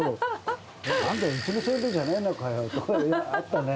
なんだ、うちのせんべいじゃないのかよって、あったね。